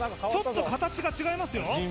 ちょっと形が違いますよ